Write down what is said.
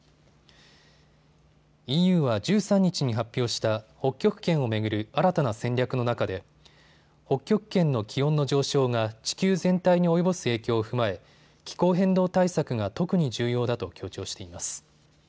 ＥＵは１３日に発表した北極圏を巡る新たな戦略の中で北極圏の気温の上昇が地球全体に及ぼす影響を踏まえ気候変動対策が特に重要だと強調しています。